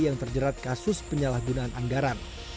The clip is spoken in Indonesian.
yang terjerat kasus penyalahgunaan anggaran